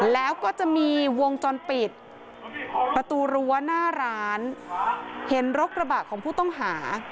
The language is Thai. แล้วก็จะมีวงจรปิดประตูรั้วหน้าร้านเห็นรถกระบะของผู้ต้องหา